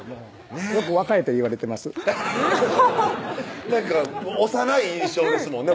よく若いと言われてますなんか幼い印象ですもんね